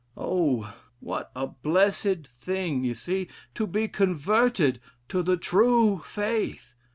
Oh! what a blessed thing, you see, to be converted to the true faith!